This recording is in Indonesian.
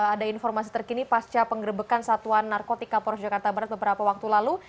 ada informasi terkini pasca penggerbekan satuan narkotika polres jakarta barat beberapa waktu lalu